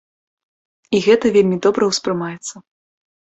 І гэта вельмі добра ўспрымаецца.